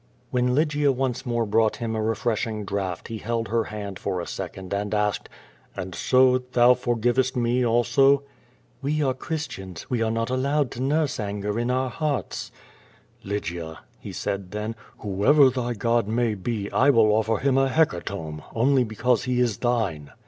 When Lygia once more brought him a refreshing draught he held her hand for a second and asked: "And so thou for givest me also?" "We are Christians; we are not allowed to nurse anger in our hearts." "Lygia," he said then, "whoever thy God may be I will offer him a hecatomb, only because he is thine."